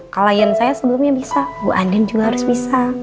klien saya sebelumnya bisa bu adem juga harus bisa